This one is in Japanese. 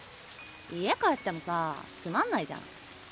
家帰ってもさつまんないじゃん。